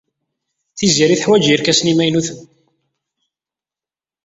Tiziri teḥwaj irkasen imaynuten.